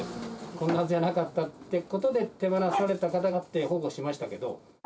こんなはずじゃなかったということで、手放された方があって、保護しましたけど。